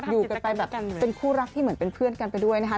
อยู่กันไปแบบเป็นคู่รักที่เหมือนเป็นเพื่อนกันไปด้วยนะคะ